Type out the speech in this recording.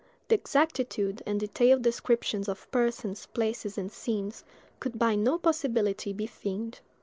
The exactitude and detailed descriptions of persons, places, and scenes, could by no possibility be feigned."